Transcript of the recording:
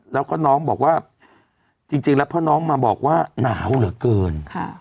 แล้วก็น้องบอกว่าจริงแล้วพ่อน้องมาบอกว่าหนาวเหลือเกิน